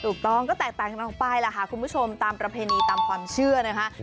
ถูกต้องก็แตกต่างกันออกไปล่ะค่ะคุณผู้ชมตามประเพณีตามความเชื่อนะคะ